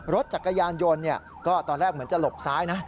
รถจักรยานยนต์ก็ตอนแรกเหมือนจะหลบซ้ายนะ